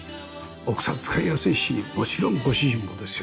奥さん使いやすいしもちろんご主人もですよね。